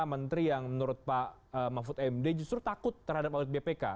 menteri yang menurut pak mahfud md justru takut terhadap audit bpk